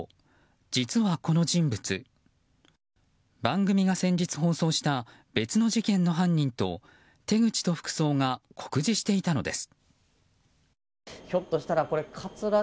実はこの人物番組が先日放送した別の事件の犯人と手口と服装が酷似していたのです。